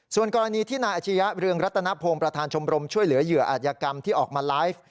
ส่วนกรณีที่นายอาชียะเรืองรัตนพงศ์ประธานชมรมช่วยเหลือเหยื่ออาจยกรรมที่ออกมาไลฟ์